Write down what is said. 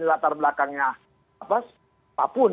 latar belakangnya apapun